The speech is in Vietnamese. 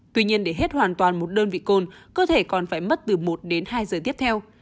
tuy nhiên để hết hoàn toàn một đơn vị cồn cơ thể còn phải mất từ một đến hai giờ tiếp theo